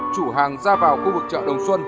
chủ hàng ra vào khu vực chợ đồng xuân